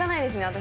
私。